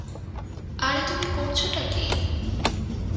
আরে তুমি করছটা কী?